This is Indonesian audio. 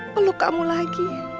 peluk kamu lagi